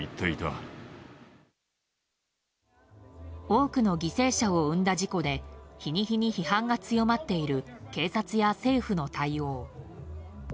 多くの犠牲者を生んだ事故で日に日に批判が強まっている警察や政府の対応。